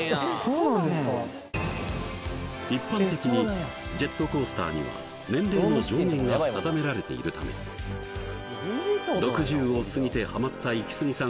うん一般的にジェットコースターには年齢の上限が定められているため６０を過ぎてハマったイキスギさん